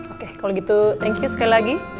oke kalau gitu thank you sekali lagi